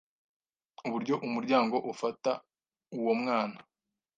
uburyo umuryango ufata uwo mwana